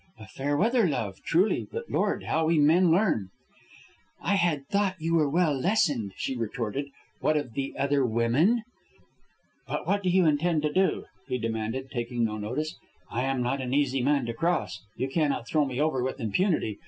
"A fair weather love, truly. But, Lord, how we men learn!" "I had thought you were well lessoned," she retorted; "what of the other women?" "But what do you intend to do?" he demanded, taking no notice. "I am not an easy man to cross. You cannot throw me over with impunity.